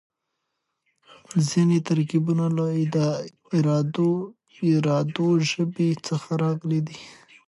ځينې ترکيبونه له اردو ژبې څخه راغلي دي.